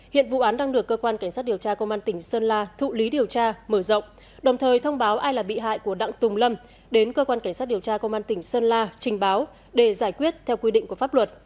hiện vụ án đang được cơ quan cảnh sát điều tra công an tỉnh sơn la thụ lý điều tra mở rộng đồng thời thông báo ai là bị hại của đặng tùng lâm đến cơ quan cảnh sát điều tra công an tỉnh sơn la trình báo để giải quyết theo quy định của pháp luật